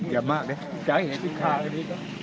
อย่ามากเนี่ย